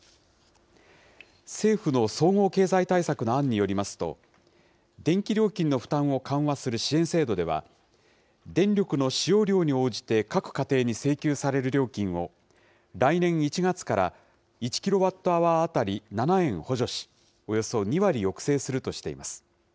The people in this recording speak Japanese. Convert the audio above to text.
政府の総合経済対策の案によりますと、電気料金の負担を緩和する支援制度では、電力の使用量に応じて各家庭に請求される料金を、来年１月から、１キロワットアワー当たり７円補助し、およそ２割抑制するとしています。